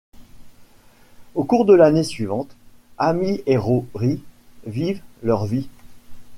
Au cours de l'année suivante, Amy et Rory vivent leur vie.